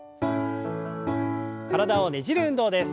体をねじる運動です。